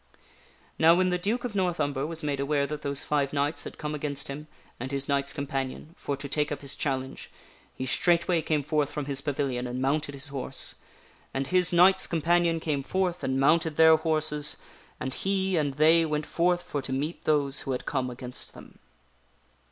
Now, when the Duke of North Umber was made aware that those five knights had come against him and his knights companion for to take up his challenge, he straightway came forth from his pavilion and mounted his horse. And his knights companion came forth and mounted their horses, and he and they went forth for to meet those who had come against them.